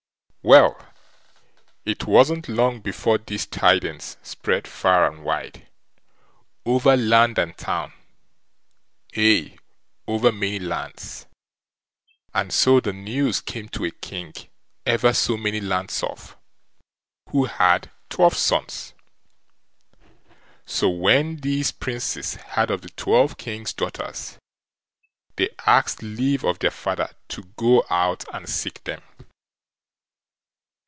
Well, it wasn't long before these tidings spread far and wide, over land and town, aye, over many lands; and so the news came to a king ever so many lands off, who had twelve sons. So when these Princes heard of the twelve king's daughters, they asked leave of their father to go out and seek them.